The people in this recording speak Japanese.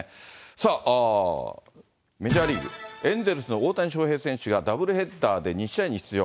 さあ、メジャーリーグ・エンゼルスの大谷翔平選手がダブルヘッダーで２試合に出場。